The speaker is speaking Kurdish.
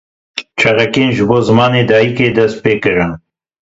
Çalakiyên ji bo zimanê dayîkê dest pê kirin.